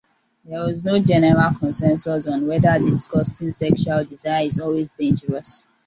There was no general consensus on whether disgusting sexual desire is always dangerous.